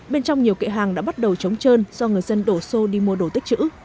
bên trong nhiều kệ hàng đã bắt đầu chống trơn do người dân đổ xô đi mua đồ tích chữ